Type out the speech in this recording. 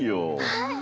はい。